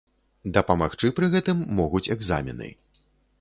Дапамагчы пры гэтым могуць экзамены.